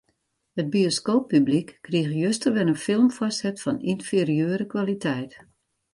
It bioskooppublyk krige juster wer in film foarset fan ynferieure kwaliteit.